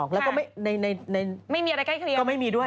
แล้วไม่มีก็ไม่มีด้วย